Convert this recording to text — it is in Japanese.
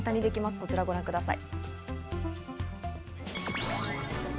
こちらをご覧ください。